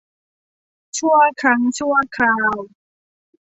ชั่วครั้งคราว